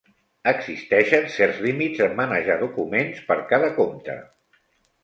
Existeixen certs límits en manejar documents per cada compte.